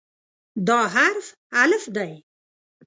دا حرف "الف" دی.